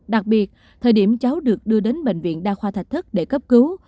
đặc biệt thời điểm cháu được đưa đến bệnh viện đa khoa thách thức để cấp cứu